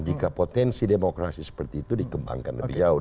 jika potensi demokrasi seperti itu dikembangkan lebih jauh